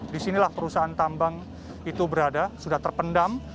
di sinilah perusahaan tambang itu berada sudah terpendam